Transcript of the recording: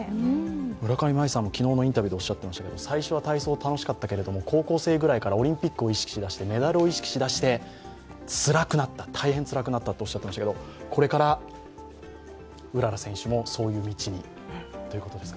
村上茉愛さんも昨日のインタビューでおっしゃっていましたが、最初は体操が楽しかったけれども、高校生ぐらいからオリンピックを意識し出してメダルを意識し出して大変つらくなったとおっしゃっていましたけど、これからうらら選手もそういう道にということですか？